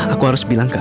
aku harus bilang ke aida